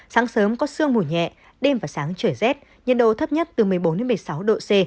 sáng sớm có sương mùi nhẹ đêm và sáng trời rét nhiệt độ thấp nhất từ một mươi bốn một mươi sáu độ c